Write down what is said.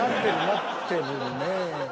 なってるね。